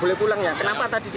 boleh pulang ya kenapa tadi sih